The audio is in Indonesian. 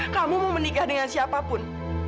kamu mau menikah dengan siapapun